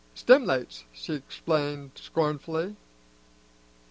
"Stim'lates," she explained scornfully.